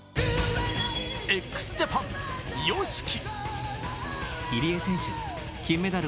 ＸＪＡＰＡＮ・ＹＯＳＨＩＫＩ。